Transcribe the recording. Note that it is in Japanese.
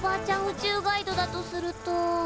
宇宙ガイドだとすると。